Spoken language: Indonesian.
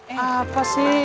eh apa sih